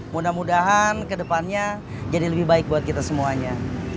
mudah mudahan kedepannya jadi lebih baik buat kita semuanya